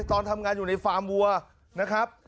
ตอนทำงานอยู่ในฟาร์มวัวนะครับ